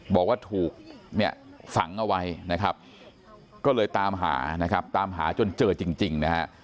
บอกว่าถูกฝังเอาไว้ก็เลยตามหาตามหาจนเจอจริง